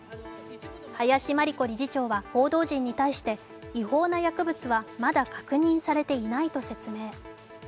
林真理子理事長は報道陣に対して違法な薬物はまだ確認されていないと説明。